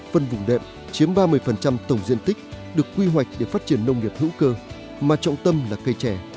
phân vùng đệm chiếm ba mươi tổng diện tích được quy hoạch để phát triển nông nghiệp hữu cơ mà trọng tâm là cây trẻ